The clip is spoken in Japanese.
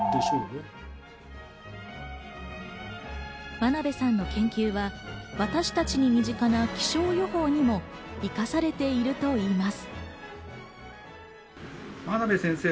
真鍋さんの研究は、私たちに身近な気象予報にも生かされていると言います。